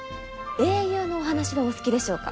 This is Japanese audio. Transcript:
英雄のお話はお好きでしょうか？